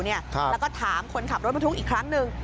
แล้วก็ถามคนขับรถบรรทุกอีกครั้งหนึ่ง